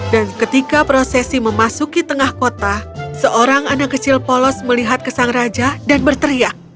dan ketika prosesi memasuki tengah kota seorang anak kecil polos melihat kesang raja dan berteriak